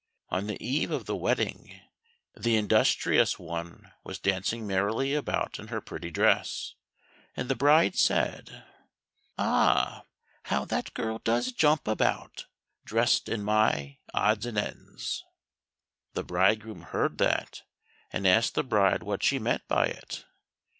On the eve of the wedding, the industrious one was dancing merrily about in her pretty dress, and the bride said,— "Ah, how that girl does jump about, dressed in my odds and ends." The bridegroom heard that, and asked the bride what she meant by it?